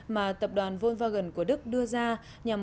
mà tập đoàn volkswagen của đức đưa ra